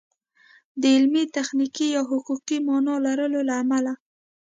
د علمي، تخنیکي یا حقوقي مانا لرلو له امله